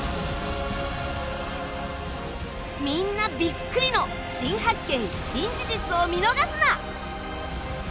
みんなビックリの新発見・新事実を見逃すな！